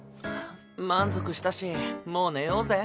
満足したしもう寝ようぜ。